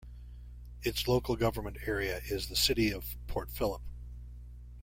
Its local government area is the City of Port Phillip.